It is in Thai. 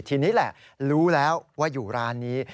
ทีนี้แหละรู้แล้วว่าอยู่ร้านนี้